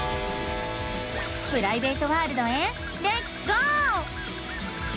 プライベートワールドへレッツゴー！